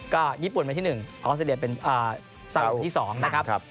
ก็ญี่ปุ่นเป็นที่๑ออสเตรเลียเป็นสั่งที่๒นะครับ